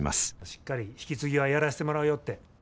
しっかり引き継ぎはやらしてもらうよって。